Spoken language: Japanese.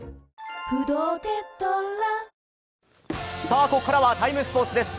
さあ、ここからは「ＴＩＭＥ，スポーツ」です。